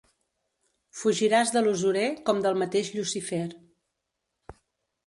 Fugiràs de l'usurer com del mateix Llucifer.